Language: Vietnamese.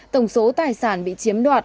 tổng số tài sản bị chiếm đoạt